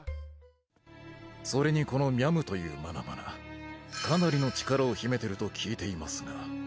それにこのみゃむというマナマナかなりの力を秘めてると聞いていますが。